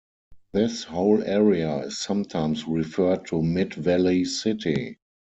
This whole area is sometimes referred to Mid Valley City.